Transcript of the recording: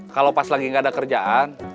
kalau pas lagi nggak ada kerjaan